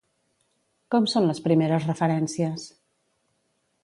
Com són les primeres referències?